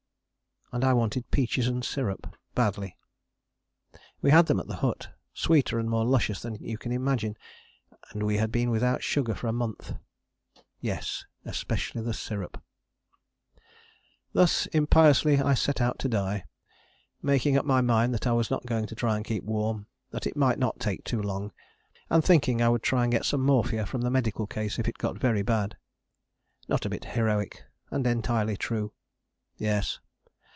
And I wanted peaches and syrup badly. We had them at the hut, sweeter and more luscious than you can imagine. And we had been without sugar for a month. Yes especially the syrup. Thus impiously I set out to die, making up my mind that I was not going to try and keep warm, that it might not take too long, and thinking I would try and get some morphia from the medical case if it got very bad. Not a bit heroic, and entirely true! Yes!